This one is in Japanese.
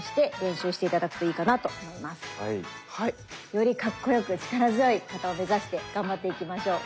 よりかっこよく力強い形を目指して頑張っていきましょう。